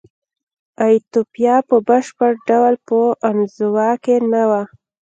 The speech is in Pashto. ایتوپیا په بشپړ ډول په انزوا کې نه وه.